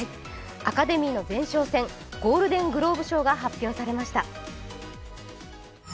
アカデミーの前哨戦、ゴールデン・グローブ賞が発表されました。